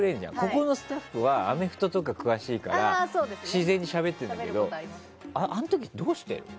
ここのスタッフはアメフトとか詳しいから自然にしゃべってんだけどあの時、どうしてる？